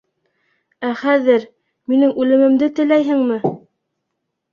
Ә хәҙер... минең үлемемде теләйһеңме?